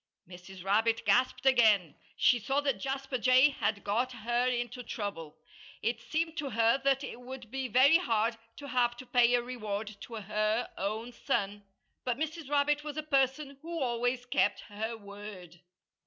Mrs. Rabbit gasped again. She saw that Jasper Jay had got her into trouble. It seemed to her that it would be very hard to have to pay a reward to her own son. But Mrs. Rabbit was a person who always kept her word.